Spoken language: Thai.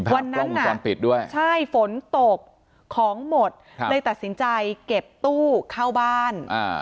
วันนั้นฝนตกของหมดเลยตัดสินใจเก็บตู้เข้าบ้าน